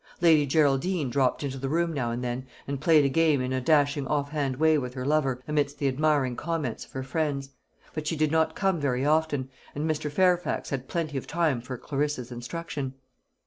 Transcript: Lady Geraldine dropped into the room now and then, and played a game in a dashing off hand way with her lover, amidst the admiring comments of her friends; but she did not come very often, and Mr. Fairfax had plenty of time for Clarissa's instruction.